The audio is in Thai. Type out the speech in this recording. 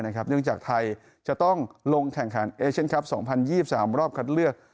เนื่องจากไทยจะต้องลงแข่งขันเอเชียนคลับ๒๐๒๓รอบคัดเลือก